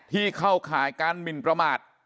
ที่เข้าข่ายการบินประมาท